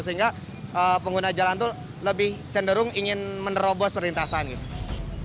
sehingga pengguna jalan itu lebih cenderung ingin menerobos perlintasannya